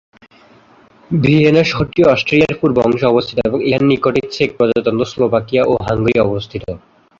Vienna শহরটি অস্ট্রিয়ার পূর্ব অংশে অবস্থিত এবং ইহার নিকটেই চেক প্রজাতন্ত্র, স্লোভাকিয়া এবং হাঙ্গেরি অবস্থিত।